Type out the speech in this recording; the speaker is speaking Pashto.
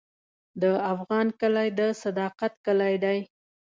د افغان کلی د صداقت کلی دی.